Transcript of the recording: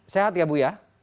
sehat ya bu ya